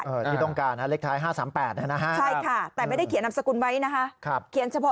ที่ต้องการเล็กท้าย๕๓๘นะฮะ